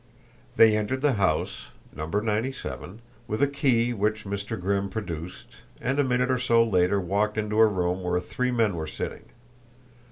They entered the house number ninety seven with a key which Mr. Grimm produced, and a minute or so later walked into a room where three men were sitting.